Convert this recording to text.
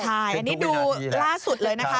ใช่อันนี้ดูล่าสุดเลยนะคะ